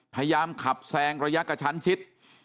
พยายามขับแซงระยะกระชั้นชิด